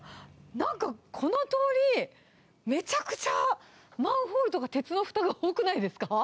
なんかこの通り、めちゃくちゃマンホールとか、鉄のふたが多くないですか？